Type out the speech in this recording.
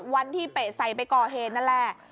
วันที่เปะใส่ไปก่อเหตุนั่นแหละ